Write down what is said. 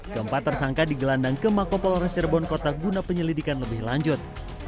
keempat tersangka digelandang ke makopolores cirebon kota guna penyelidikan lebih lanjut